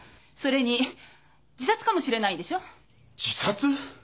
それに自殺かもしれないんでしょ？